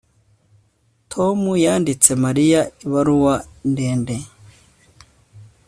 Tom yanditse Mariya ibaruwa ndende